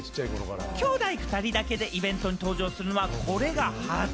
きょうだい２人だけでイベントに登場するのはこれが初。